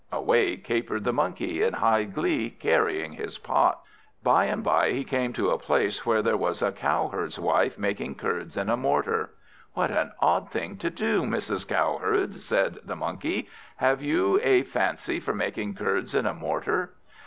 Away capered the Monkey, in high glee, carrying his pot. By and by he came to a place, where was a Cowherd's wife making curds in a mortar. "What an odd thing to do, Mrs. Cowherd," said the Monkey. "Have you a fancy for making curds in a mortar?"